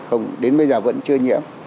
không đến bây giờ vẫn chưa nhiễm